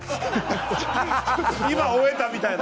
今、終えたみたいな。